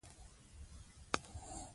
څوک یې د چوپان لور وه؟